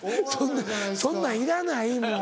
そんなんいらないもう。